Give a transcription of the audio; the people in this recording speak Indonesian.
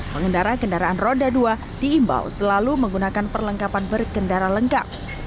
pengendara kendaraan roda dua diimbau selalu menggunakan perlengkapan berkendara lengkap